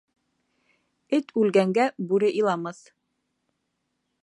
Эт үлгәнгә бүре иламаҫ.